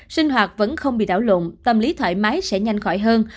sinh hoạt vẫn không bị đảo lộn tâm lý thoải mái sẽ nhanh khỏi hơn